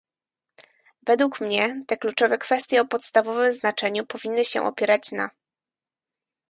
Według mnie te kluczowe kwestie o podstawowym znaczeniu powinny się opierać na